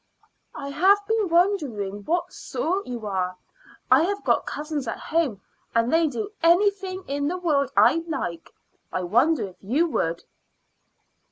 "I have been wondering what sort you are. I have got cousins at home, and they do anything in the world I like. I wonder if you would."